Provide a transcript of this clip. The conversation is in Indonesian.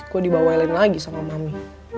gue dibawain lagi sama mami